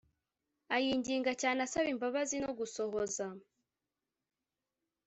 ayinginga cyane asaba imbabazi no gusohoza